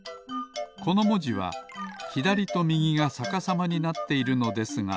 このもじはひだりとみぎがさかさまになっているのですが